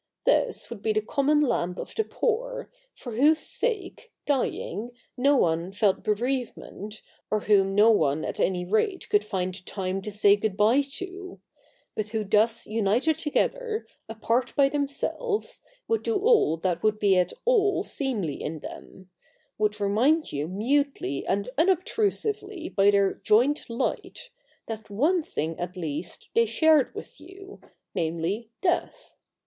This would be the common lamp of the poor, Q 2 244 THE NEW REPUBLIC [bk. v for whose sake, dying, no one felt bereavement, or whom no one at any rate could find time to say good bye to ; but who thus united together, apart by themselves, would do all that would be at all seemly in them — would remind you mutely and unobtrusively by their joint light, that one thing at least they shared with you, namely death.